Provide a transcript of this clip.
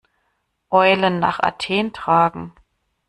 Eulen nach Athen tragen.